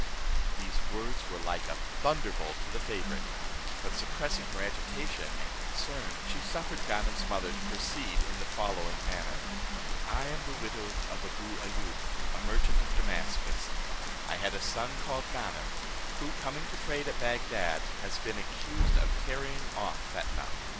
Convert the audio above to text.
These words were like a thunderbolt to the favourite; but suppressing her agitation and concern, she suffered Ganem's mother to proceed in the following manner: "I am the widow of Abou Ayoub, a merchant of Damascus; I had a son called Ganem, who, coming to trade at Bagdad, has been accused of carrying off Fetnah.